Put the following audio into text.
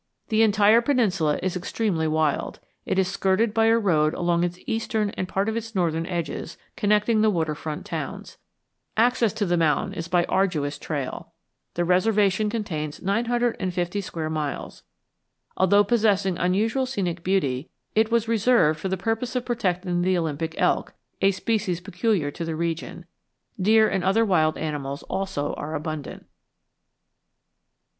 The entire peninsula is extremely wild. It is skirted by a road along its eastern and part of its northern edges, connecting the water front towns. Access to the mountain is by arduous trail. The reservation contains nine hundred and fifty square miles. Although possessing unusual scenic beauty, it was reserved for the purpose of protecting the Olympic elk, a species peculiar to the region. Deer and other wild animals also are abundant.